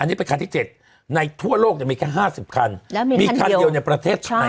อันนี้เป็นคันที่๗ในทั่วโลกมีแค่๕๐คันมีคันเดียวในประเทศไทย